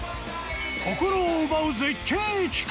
心を奪う絶景駅か？